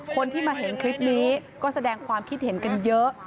คนที่มาเห็นคลิปนี้ก็แสดงความคิดเห็นกันเยอะ